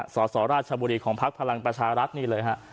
ศศราชบุรีของภักดิ์พลังประชารักษ์นี่เลยครับ